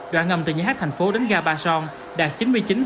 đoạn ngầm từ nhà hát thành phố đến ga ba son đạt chín mươi chín bảy mươi ba